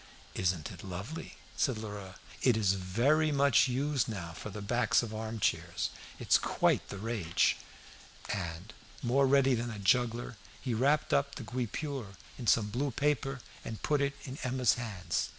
"Isn't it lovely?" said Lheureux. "It is very much used now for the backs of arm chairs. It's quite the rage." And, more ready than a juggler, he wrapped up the guipure in some blue paper and put it in Emma's hands.